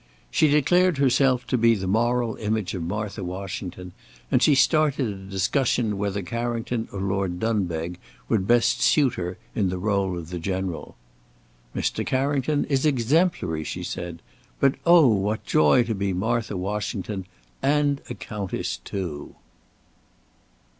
She declared herself to be the moral image of Martha Washington, and she started a discussion whether Carrington or Lord Dunbeg would best suit her in the rôle of the General. "Mr. Carrington is exemplary," she said, "but oh, what joy to be Martha Washington and a Countess too!"